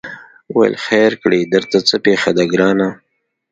ویل خیر کړې درته څه پېښه ده ګرانه